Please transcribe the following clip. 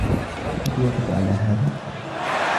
هل توافق على هذا ؟